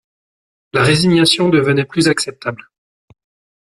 La résignation devenait plus acceptable.